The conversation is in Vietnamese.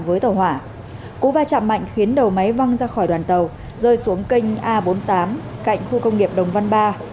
với tàu hỏa cú va chạm mạnh khiến đầu máy văng ra khỏi đoàn tàu rơi xuống kênh a bốn mươi tám cạnh khu công nghiệp đồng văn ba